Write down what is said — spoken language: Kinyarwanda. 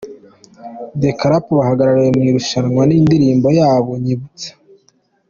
The Chrap bahagarariwe muri iri rushanwa n'indirimbo yabo 'Nyibutsa'.